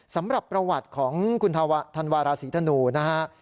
สำหรับประวัติของคุณธันวาราศีธนูนะฮะ